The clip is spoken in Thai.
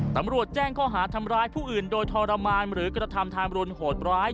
ตำรวจแจ้งข้อหาทำร้ายผู้อื่นโดยทรมานหรือกระทำทามรุนโหดร้าย